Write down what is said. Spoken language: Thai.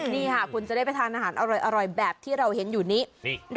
นี่ค่ะคุณจะได้ไปทานอาหารอร่อยแบบที่เราเห็นอยู่นี้